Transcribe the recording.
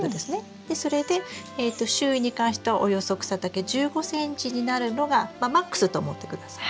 それで周囲に関してはおよそ草丈１５ｃｍになるのがまあマックスと思って下さい。